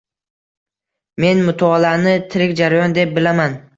Men mutolaani tirik jarayon deb bilaman.